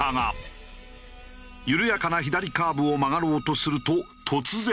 緩やかな左カーブを曲がろうとすると突然。